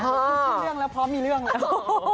เรื่องแล้วพร้อมมีเรื่องแล้ว